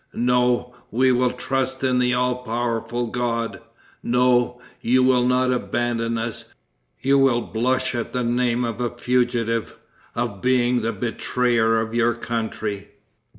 "No; we will trust in the all powerful God! No; you will not abandon us! You will blush at the name of a fugitive, of being the betrayer of your country.